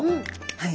はい。